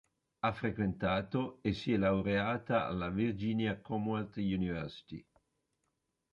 Ha frequentato e si è laureata alla Virginia Commonwealth University.